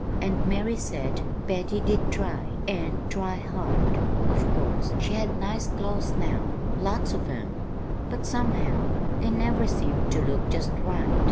"And Mary said Betty did try, and try hard. Of course she had nice clo's now, lots of 'em; but somehow they never seemed to look just right.